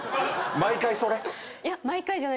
毎回それ？